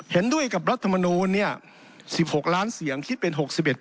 เห็นด้วยกับรัฐมนูลเนี่ย๑๖ล้านเสียงคิดเป็น๖๑